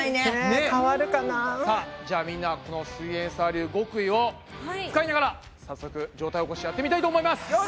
さあじゃあみんなこのすイエんサー流極意を使いながら早速上体起こしやってみたいと思います。